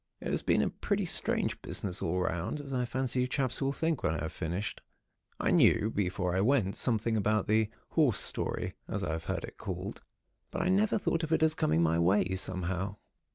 It has been a pretty strange business all round, as I fancy you chaps will think, when I have finished. I knew, before I went, something about the "horse story," as I have heard it called; but I never thought of it as coming my way, somehow.